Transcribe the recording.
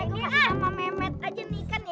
gue sama memet aja nih kan ye